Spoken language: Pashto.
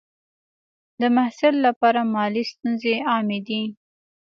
د محصل لپاره مالي ستونزې عامې دي.